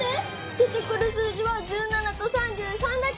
出てくる数字は１７と３３だけ。